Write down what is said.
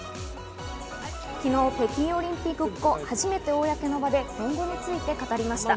昨日、北京オリンピック後、初めて公の場で今後について語りました。